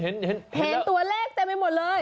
เห็นตัวเลขเต็มไปหมดเลย